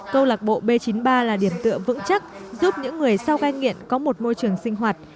câu lạc bộ b chín mươi ba là điểm tựa vững chắc giúp những người sau cai nghiện có một môi trường sinh hoạt